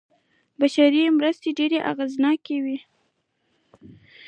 بشري مرستې ډېرې اغېزناکې وې.